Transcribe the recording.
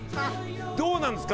どうなんですか？